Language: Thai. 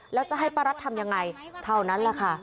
แล้วจะให้ป้ารัฐทำยังไงเท่านั้นแหละค่ะ